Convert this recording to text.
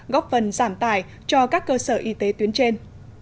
góp phần giảm tài cho các cơ sở y tế tuyến trên